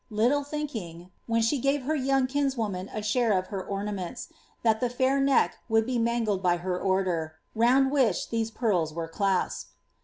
*" little thinking, when she gave her young kinswoman a share of her ornaments, that the fair neck would be mangled by her order, round which these pearls were clasped.